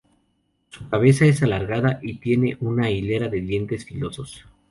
Su cabeza es alargada y tiene una hilera de dientes filosos.